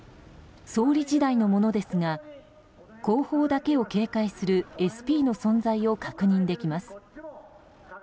総理時代のものですが後方だけを警戒するＳＰの存在を確認できます。